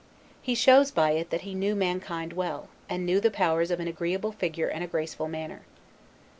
He shows by it that he knew mankind well, and knew the powers of an agreeable figure and a graceful, manner.